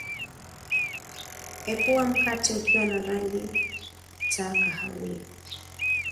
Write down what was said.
epua mkate ukiwa na rangi ta kahawia